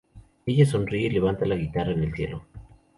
Ella sonríe y levanta la guitarra en el cielo.